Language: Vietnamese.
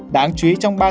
đáng chú ý trong ba tháng